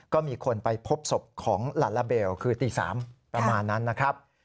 ก็มีคนไปพบศพของลาลาเบลคือตี๓ประมาณนั้นนะครับ